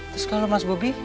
terus kalau mas bobby